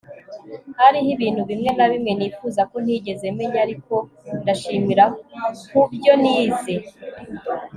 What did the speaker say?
hariho ibintu bimwe na bimwe nifuza ko ntigeze menya, ariko ndashimira ku byo nize